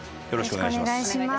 よろしくお願いします。